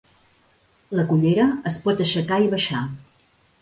La cullera es pot aixecar i baixar.